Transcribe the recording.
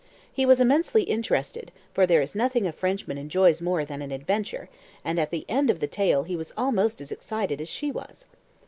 He was immensely interested, for there is nothing a Frenchman enjoys more than an adventure, and at the end of the tale he was almost as excited as she was.